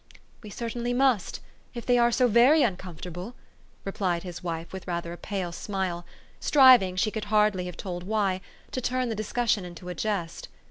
" We certainly must, if they are so very uncom fortable," replied his wife with rather a pale smile, striving, she could hardly have told why, to turn the discussion into a jest.